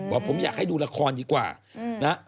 บอกผมอยากให้ดูละครดีกว่านะ